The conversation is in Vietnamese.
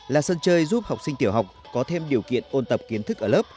là sân chơi giúp học sinh tiểu học có thêm điều kiện ôn tập kiến thức ở lớp